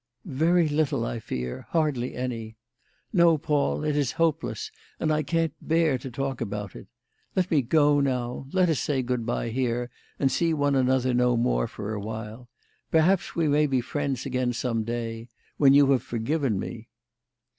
"Very little, I fear. Hardly any. No, Paul; it is hopeless, and I can't bear to talk about it. Let me go now. Let us say good bye here and see one another no more for a while. Perhaps we may be friends again some day when you have forgiven me."